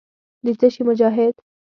د څه شي مجاهد.